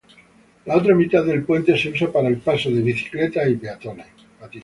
La otra mitad del puente se usa para el paso de bicicletas y peatones.